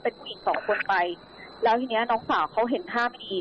เป็นผู้หญิงสองคนไปแล้วทีเนี้ยน้องสาวเขาเห็นท่าไม่ดี